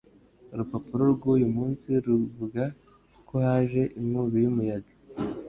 Urupapuro rwuyu munsi ruvuga ko haje inkubi y'umuyaga.